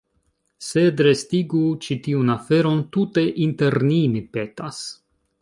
Sed restigu ĉi tiun aferon tute inter ni, mi petas.